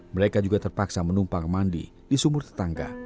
mereka juga terpaksa menumpang mandi di sumur tetangga